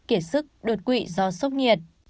kiệt sức đột quỵ do sốc nhiệt